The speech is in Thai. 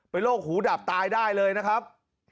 เป็นโรคหูดับตายได้เลยนะครับ